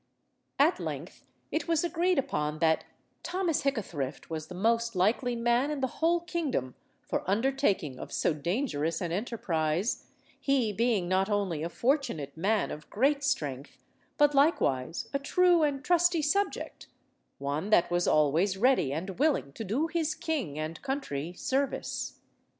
At length it was agreed upon that Thomas Hickathrift was the most likely man in the whole kingdom for undertaking of so dangerous an enterprise, he being not only a fortunate man of great strength, but likewise a true and trusty subject, one that was always ready and willing to do his king and country service.